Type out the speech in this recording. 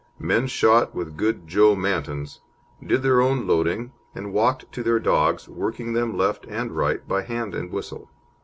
Men shot with good Joe Mantons, did their own loading, and walked to their dogs, working them right and left by hand and whistle.